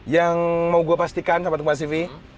yang mau gua pastikan sobat kcv